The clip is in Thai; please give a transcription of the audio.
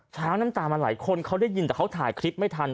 ช้างน้ำตามันไหลคนเค้าได้ยินแต่เค้าถ่ายคลิปไม่ทัน